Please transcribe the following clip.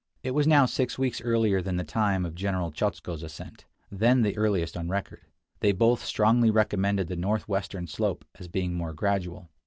It was now six weeks earlier than the time of General Chodzko' s ascent (August 1 1 to 18), then the earliest on record. They both strongly recommended the northwestern slope as being more gradual.